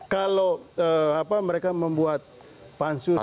kalau mereka membuat pansus